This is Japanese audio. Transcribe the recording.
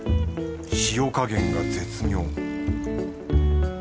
塩加減が絶妙